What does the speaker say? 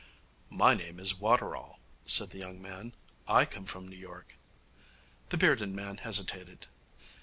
'My name is Waterall,' said the young man. 'I come from New York.' The bearded man hesitated.